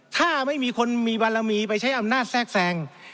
ถ้าไม่มีคนมีบารมีไปใช้อำนาจแทรกแทรง